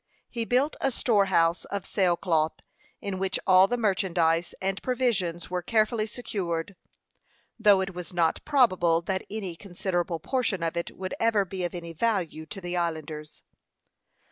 He built a storehouse of sail cloth, in which all the merchandise and provisions were carefully secured, though it was not probable that any considerable portion of it would ever be of any value to the islanders.